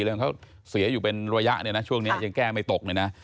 เรื่องเขาเสียอยู่เป็นระยะเนี่ยนะช่วงนี้ยังแก้ไม่ตกเลยนะ